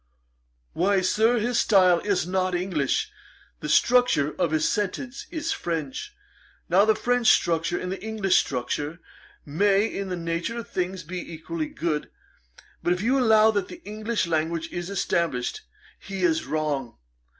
'Why, Sir, his style is not English; the structure of his sentences is French. Now the French structure and the English structure may, in the nature of things, be equally good. But if you allow that the English language is established, he is wrong.